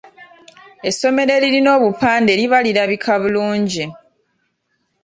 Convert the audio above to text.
Essomero eririna obupande liba lirabika bulungi.